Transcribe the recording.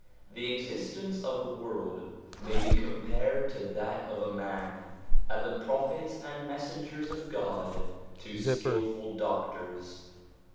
The existence of the world may be compared to that of a man, and the Prophets and Messengers of God to skilful doctors.